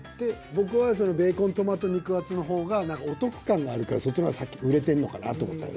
僕はベーコントマト肉厚の方が何かお得感があるからそっちの方が売れてんのかなと思ったんよ。